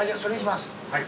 はい。